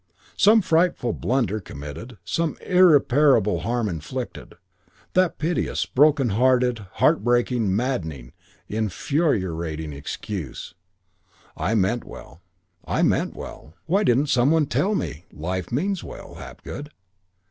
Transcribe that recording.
Some frightful blunder committed, some irreparable harm inflicted, and that piteous, heart broken, heart breaking, maddening, infuriating excuse, "I meant well. I meant well. Why didn't some one tell me?" Life means well, Hapgood.